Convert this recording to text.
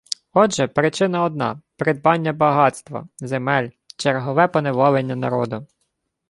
Отже, причина одна – придбання багатства, земель, чергове поневоления народу